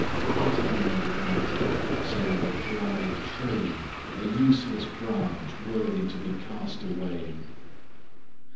What am I without it, save a dry tree, a useless branch, worthy to be cast away!